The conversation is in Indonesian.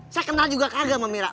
saya kenal juga kagak sama mira